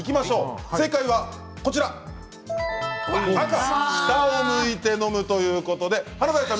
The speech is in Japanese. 正解は赤、下を向いてのむということで華大さん